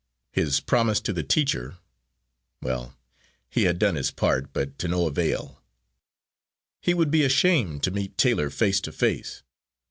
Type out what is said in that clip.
His promise to the teacher well, he had done his part, but to no avail. He would be ashamed to meet Taylor face to face.